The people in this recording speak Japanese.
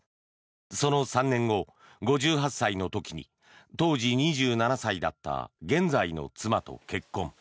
その３年後、５８歳の時に当時２７歳だった現在の妻と結婚。